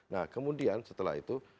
nah kemudian setelah itu